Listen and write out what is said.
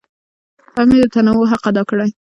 هم یې د تنوع حق ادا کړی.